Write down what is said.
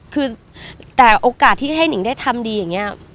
คือแต่โอกาสที่ให้นิงได้ทำดีอย่างนี้